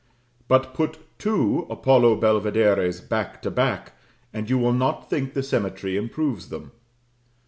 But put two Apollo Belvideres back to back, and you will not think the symmetry improves them.